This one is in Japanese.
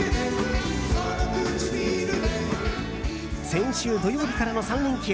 先週土曜日からの３連休